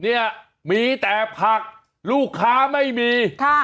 เนี่ยมีแต่ผักลูกค้าไม่มีค่ะ